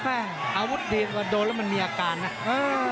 อาวุธดีว่าโดนแล้วมันมีอาการนะ